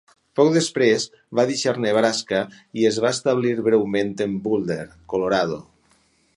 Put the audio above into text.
Poc després, va deixar Nebraska i es va establir breument en Boulder, Colorado.